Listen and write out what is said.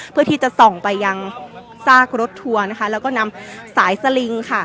เพื่อที่จะส่องไปยังซากรถทัวร์นะคะแล้วก็นำสายสลิงค่ะ